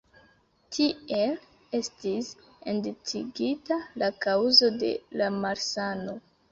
Tiel estis identigita la kaŭzo de la malsano.